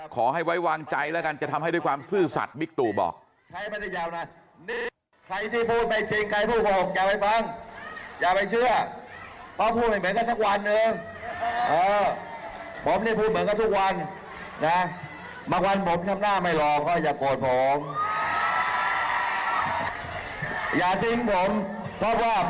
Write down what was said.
ขอให้ไว้วางใจแล้วกันจะทำให้ด้วยความซื่อสัตว์บิ๊กตู่บอก